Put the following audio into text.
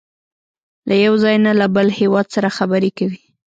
له یو ځای نه له بل هېواد سره خبرې کوي.